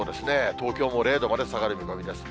東京も０度まで下がる見込みです。